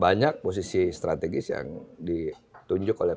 banyak posisi strategis yang ditunjuk oleh